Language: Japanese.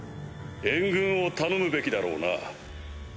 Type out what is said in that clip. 援軍を頼むべきだろうな。